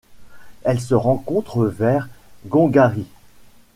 Elle se rencontre vers Goongarrie.